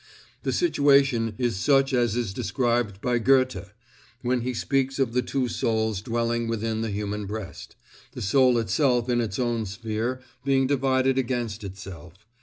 The situation is such as is described by Goethe, when he speaks of the two souls dwelling within the human breast; the soul itself in its own sphere being divided against itself.